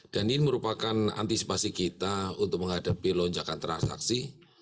dan ini merupakan antisipasi kita untuk menghadapi lonjakan transaksi